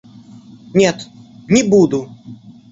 Нет, не буду!